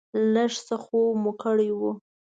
لږ څه خوب مو کړی و.